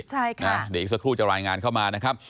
เดี๋ยวอีกสักครู่จะรายงานเข้ามานะครับ